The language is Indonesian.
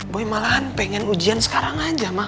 boy malahan pengen ujian sekarang aja ma